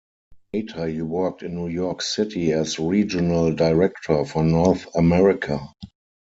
Later he worked in New York City as regional director for North America.